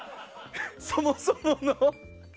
そもそもの。